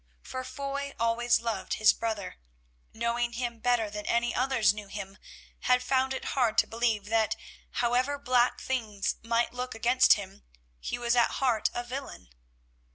For Foy always loved his brother, and knowing him better than any others knew him, had found it hard to believe that however black things might look against him, he was at heart a villain.